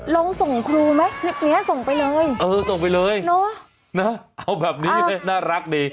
ลองส่งครูมาคลิปนี้ส่งไปเลยนะอ้าวส่งไปเลยเอาแบบนี้หน่ารักดี